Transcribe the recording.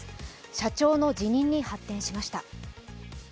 社長の辞任に発展しました。